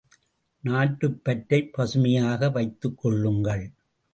நாட்டுப்பற்றைப் பசுமையாக வைத்துக்கொள்ளுங்கள்.